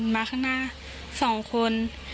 มาข้างหน้า๒คน